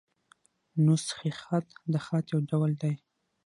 نسخ خط؛ د خط یو ډول دﺉ.